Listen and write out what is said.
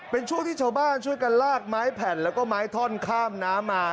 เป็นช่วงที่ชาวบ้านช่วยกันลากไม้แผ่นแล้วก็ไม้ท่อนข้ามน้ำมา